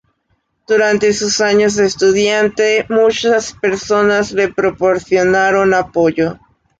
Durante sus años de estudiante, muchas personas le proporcionaron apoyo.